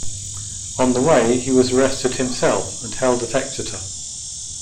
On the way he was arrested himself and held at Exeter.